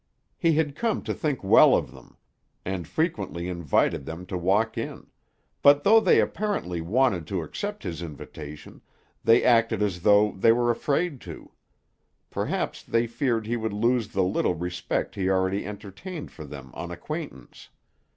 He had come to think well of them, and frequently invited them to walk in; but though they apparently wanted to accept his invitation, they acted as though they were afraid to: perhaps they feared he would lose the little respect he already entertained for them on acquaintance.